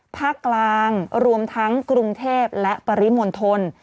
ภาคกลางรวมทั้งกรุงเทพและปริมณฑล